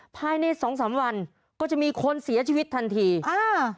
ภายในสองสามวันก็จะมีคนเสียชีวิตทันทีอ่า